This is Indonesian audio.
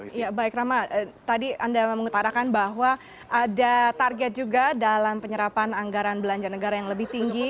ya baik rama tadi anda mengutarakan bahwa ada target juga dalam penyerapan anggaran belanja negara yang lebih tinggi